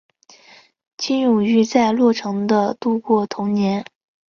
金永玉在洛城的度过童年。